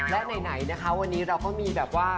และไหนวันนี้เราก็มีว่า